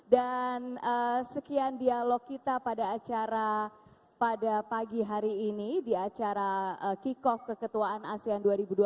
dan sekian dialog kita pada acara pada pagi hari ini di acara kikov ke ketuaan asean dua ribu dua puluh tiga